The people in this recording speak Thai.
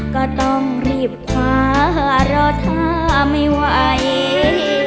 ก็ต้องรีบคว้ารอถ้าไม่ไหว